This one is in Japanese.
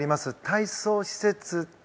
体操施設。